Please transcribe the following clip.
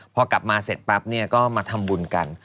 พอกลับมาเสร็จปั๊บเนี่ยก็มาทำบุญกัน